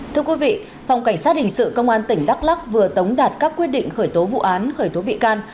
thưa quý vị phòng cảnh sát hình sự công an tỉnh đắk lắc vừa tống đạt các quyết định khởi tố vụ án khởi tố bị can